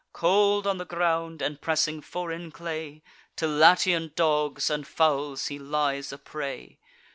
Cold on the ground, and pressing foreign clay, To Latian dogs and fowls he lies a prey!